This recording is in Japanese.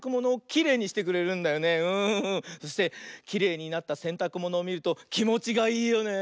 そしてきれいになったせんたくものをみるときもちがいいよね。